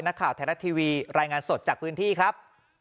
นักข่าวไทยรัฐทีวีรายงานสดจากพื้นที่ครับ